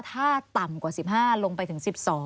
ถ้าต่ำกว่า๑๕ลงไปถึง๑๒